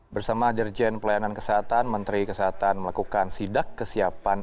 bersama dirjen pelayanan kesehatan menteri kesehatan melakukan sidak kesiapan